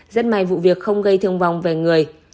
rất may vụ việc không gây thương vong về người